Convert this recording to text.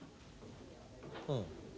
うん。